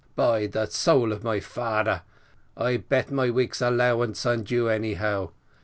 "By the soul of my fader, I'd bet my week's allowance on you anyhow.